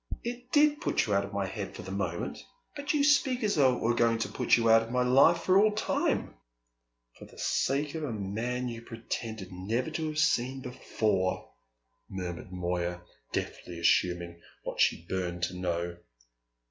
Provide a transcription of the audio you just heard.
It did put you out of my head for the moment; but you speak as though it were going to put you out of my life for all time!" "For the sake of a man you pretended never to have seen before," murmured Moya, deftly assuming what she burned to know.